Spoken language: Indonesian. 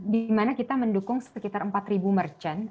dimana kita mendukung sekitar empat merchant